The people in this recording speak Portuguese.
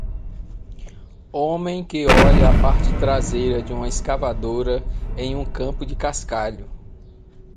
Homem que olha a parte traseira de uma escavadora em um campo do cascalho.